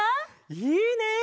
いいね！